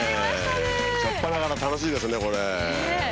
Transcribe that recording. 初っぱなから楽しいですねこれ。ねぇ！